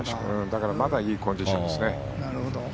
だからまだいいコンディションですね。